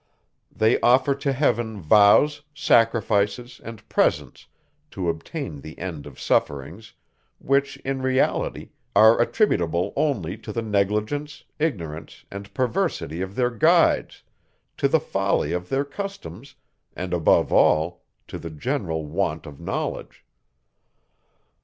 They offer to heaven vows, sacrifices, and presents, to obtain the end of sufferings, which in reality, are attributable only to the negligence, ignorance, and perversity of their guides, to the folly of their customs, and above all, to the general want of knowledge.